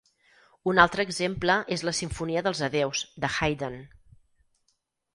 Un altre exemple és la "Simfonia dels adéus" de Haydn.